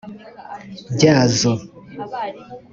Byazo.